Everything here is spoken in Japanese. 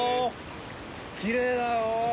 キレイだよ。